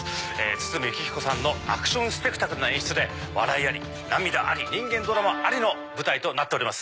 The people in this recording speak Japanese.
堤幸彦さんのアクションスペクタクルな演出で笑いあり涙あり人間ドラマありの舞台となっております。